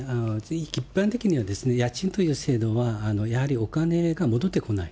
一般的には家賃という制度は、やはりお金が戻ってこない。